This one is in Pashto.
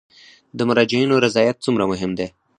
د مراجعینو رضایت څومره مهم دی؟